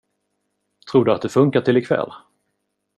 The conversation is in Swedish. Tror du att det funkar till ikväll?